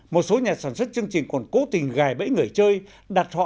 một số nhà sản xuất chương trình còn cố tình gài bẫy người chơi đặt họ